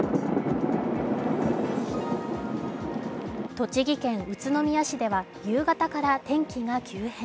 栃木県宇都宮市では、夕方から天気が急変。